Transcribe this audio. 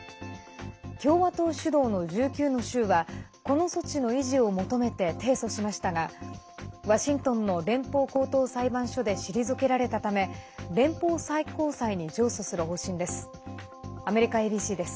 共和党主導の１９の州はこの措置の維持を求めて提訴しましたがワシントンの連邦高等裁判所で退けられたため連邦最高裁に上訴する方針です。